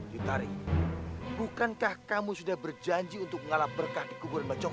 yutari bukankah kamu sudah berjanji untuk mengalah berkah di kubur mbak joko